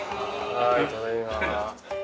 ・はいただいま。